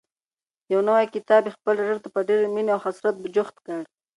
یو نوی کتاب یې خپل ټټر ته په ډېرې مینې او حسرت جوخت کړ.